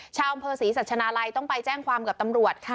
ชาวอำเภอศรีสัชนาลัยต้องไปแจ้งความกับตำรวจค่ะ